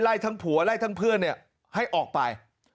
ทั้งผัวไล่ทั้งเพื่อนให้ออกไป